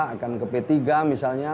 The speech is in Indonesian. akan ke p tiga misalnya